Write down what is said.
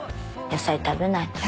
野菜食べないと。